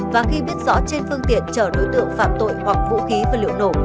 và khi biết rõ trên phương tiện chở đối tượng phạm tội hoặc vũ khí và liệu nổ